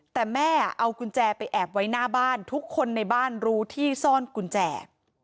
แต่แม่เอากุญแจไปแอบไว้หน้าบ้านทุกคนในบ้านรู้ที่ซ่อนกุญแจ